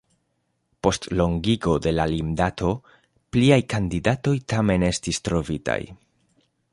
Post longigo de la limdato pliaj kandidatoj tamen estis trovitaj.